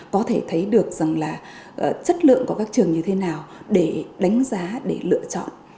có thể thấy được chất lượng của các trường như thế nào để đánh giá để lựa chọn